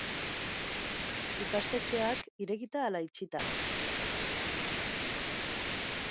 Ikastetxeak, irekita ala itxita?